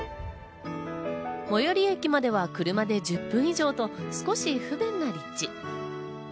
最寄駅までは車で１０分以上と少し不便な立地。